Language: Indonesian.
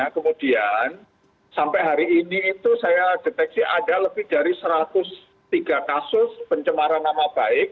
kemudian sampai hari ini itu saya deteksi ada lebih dari satu ratus tiga kasus pencemaran nama baik